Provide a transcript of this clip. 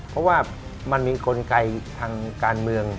เพราะว่ามันมีกลไกทางการเมือง